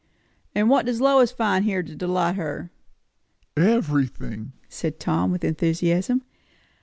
"And what does Lois find here to delight her? "Everything!" said Tom with enthusiasm.